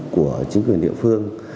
của chính quyền địa phương